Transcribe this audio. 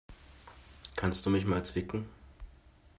Kannst du mich mal zwicken?